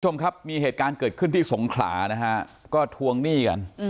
ทุกท่องครับมีเหตุการณ์เกิดขึ้นที่สงขลาทวงหนี้กัน